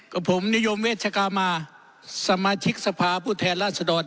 กับผมนิยมเวชกามาสมาชิกสภาพผู้แทนราชดร